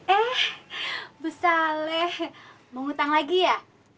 eh bu saleh mau ngutang lagi ya